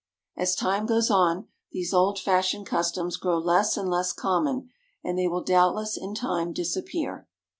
As time goes on, these old fashioned customs grow less and less common, and they will doubtless in time disappear.